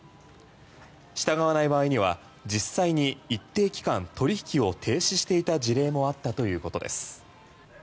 従わない場合には実際に一定期間取引を停止していた事例もあったということです。